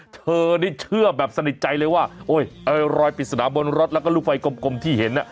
เธอนี่เชื่อแบบสนิทใจเลยว่ารอยปริศนาบนรถแล้วก็ลูกไฟกลมที่เห็น